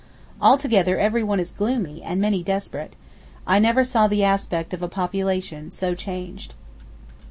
Altogether everyone is gloomy, and many desperate. I never saw the aspect of a population so changed.